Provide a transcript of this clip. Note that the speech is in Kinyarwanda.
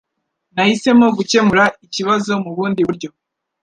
Nahisemo gukemura ikibazo mubundi buryo.